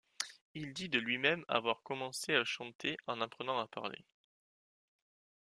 Il dit de lui-même avoir commencé à chanter en apprenant à parler.